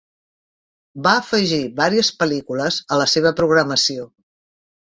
Va afegir varies pel·lícules a la seva programació.